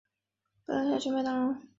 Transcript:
本来想去麦当劳